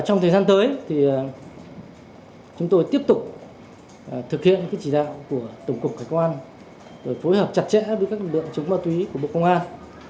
trong thời gian tới thì chúng tôi tiếp tục thực hiện chỉ đạo của tổng cục hải quan phối hợp chặt chẽ với các lực lượng chống ma túy của bộ công an